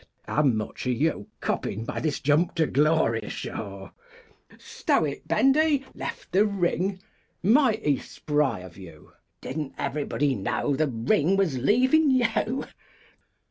"How much are you coppin' by this Jump to Glory show?" "Stow it, Bendy! Left the ring! Mighty spry of you! Didn't everybody know the ring was leavin' you."